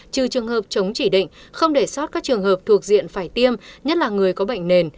trừ trường hợp chống chỉ định không để sót các trường hợp thuộc diện phải tiêm nhất là người có bệnh nền